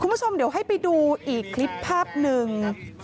คุณผู้ชมเดี๋ยวให้ไปดูอีกคลิปภาพหนึ่ง